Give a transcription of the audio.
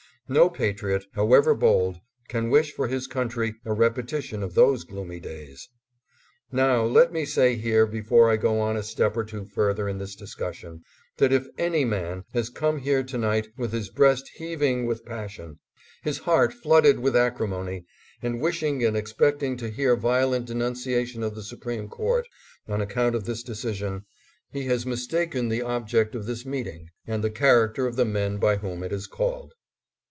No pa triot, however bold, can wish for his country a repeti tion of those gloomy days. Now let me say here, before I go on a step or two further in this discussion, that if any man has come here to night with his breast heaving with passion, his heart flooded with acrimony, and wishing and expecting to hear violent denunciation of the Supreme Court on account of this decision, he has mistaken the object of this meeting and the character of the men by whom it is called.